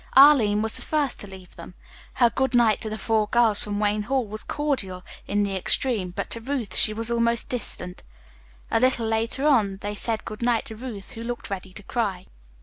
Arline was the first to leave them. Her good night to the four girls from Wayne Hall was cordial in the extreme, but to Ruth she was almost distant. A little later on they said good night to Ruth, who looked ready to cry.